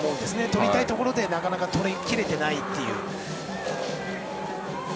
とりたいところでなかなかとりきれていないという。